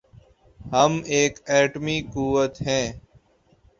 ہم ایک ایٹمی قوت ہیں۔